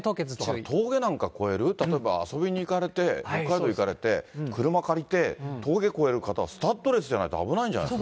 だから峠なんか越える、例えば遊びに行かれて、北海道行かれて車借りて、峠越える方は、スタッドレスじゃないと危ないんじゃないですか。